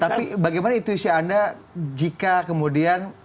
tapi bagaimana intuisi anda jika kemudian